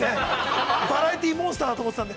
◆バラエティーモンスターだと思ってたんで。